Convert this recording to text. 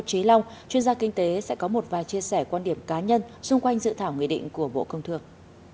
trí long chuyên gia kinh tế sẽ có một vài chia sẻ quan điểm cá nhân xung quanh dự thảo nghị định của bộ công thương